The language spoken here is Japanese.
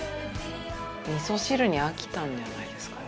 みそ汁に飽きたんじゃないですかね。